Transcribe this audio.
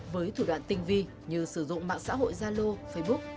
với thủ đoạn tinh vi như sử dụng mạng xã hội zalo facebook